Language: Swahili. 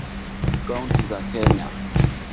kaunti za kenya